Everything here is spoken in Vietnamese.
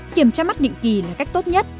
kiểm tra mắt định kỳ là cách tốt nhất